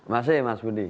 masih mas budi